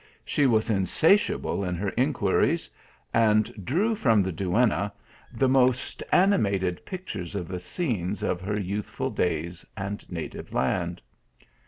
She was insatiable in her inquiries, and drew from the duenna the most animated pictures of the scenes of her youthful days and native land.